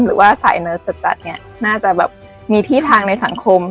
หรือว่าสายเนิดจัดน่าจะมีที่ทางในสังคม